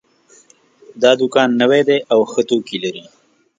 دا دوکان نوی ده او ښه توکي لري